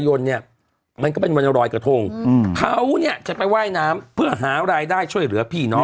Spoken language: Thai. ยนต์เนี่ยมันก็เป็นวันรอยกระทงอืมเขาเนี่ยจะไปว่ายน้ำเพื่อหารายได้ช่วยเหลือพี่น้อง